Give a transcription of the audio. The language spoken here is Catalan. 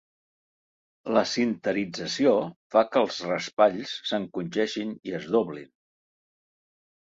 La sinterització fa que els raspalls s'encongeixin i es doblin.